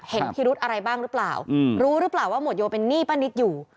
พิรุธอะไรบ้างหรือเปล่ารู้หรือเปล่าว่าหมวดโยเป็นหนี้ป้านิตอยู่